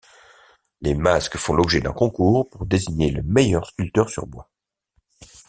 Les masques font l'objet d'un concours pour désigner le meilleur sculpteur sur bois.